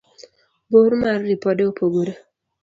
bor mar ripode opogore